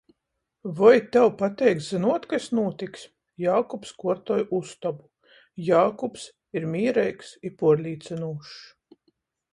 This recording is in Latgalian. Voi tev pateik zynuot, kas nūtiks? Jākubs kuortoj ustobu. Jākubs ir mīreigs i puorlīcynūšs.